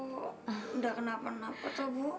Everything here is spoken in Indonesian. udah kenapa kenapa bu